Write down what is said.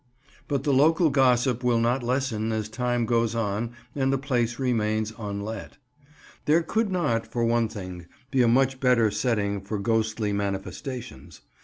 But the local gossip will not lessen as time goes on and the place remains unlet. There could not, for one thing, be a much better setting for ghostly manifestations.